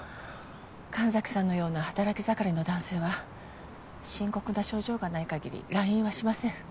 神崎さんのような働き盛りの男性は深刻な症状がない限り来院はしません。